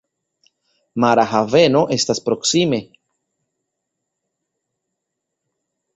Mara haveno estas proksime.